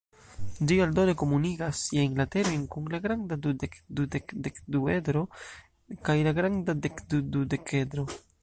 Ĝi aldone komunigas siajn lateroj kun la granda dudek-dudek-dekduedro kaj la granda dekdu-dudekedro.